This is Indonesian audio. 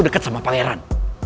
deket sama pangeran